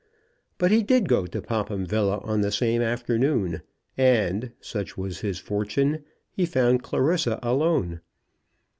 But he did go to Popham Villa on the same afternoon, and, such was his fortune, he found Clarissa alone.